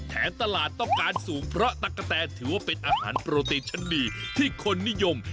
ตลาดต้องการสูงเพราะตั๊กกะแตนถือว่าเป็นอาหารโปรตีนชั้นดีที่คนนิยม